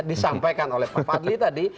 disampaikan oleh pak fadli tadi